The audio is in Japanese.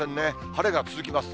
晴れが続きます。